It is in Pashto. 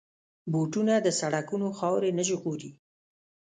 بوټونه د سړکونو خاورې نه ژغوري.